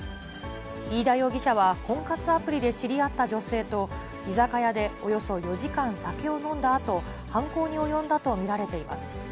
飯田容疑者は、婚活アプリで知り合った女性と、居酒屋でおよそ４時間酒を飲んだあと、犯行に及んだと見られています。